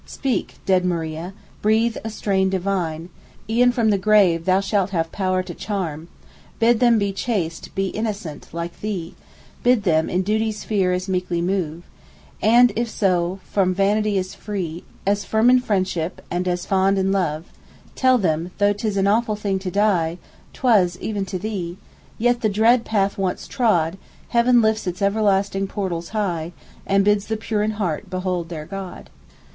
Speak, dead Maria; breathe a strain divine; E'en from the grave thou shalt have power to charm. Bid them be chaste, be innocent, like thee; Bid them in duty's sphere as meekly move; And if so fair, from vanity as free, As firm in friendship, and as fond in love, Tell them, though 'tis an awful thing to die, (Twas e'en to thee,) yet, the dread path once trod, Heaven lifts its everlasting portals high, And bids the pure in heart behold their God."